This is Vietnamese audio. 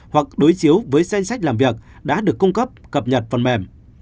hoặc đối chiếu với danh sách làm việc đã được cung cấp cập nhật phần mềm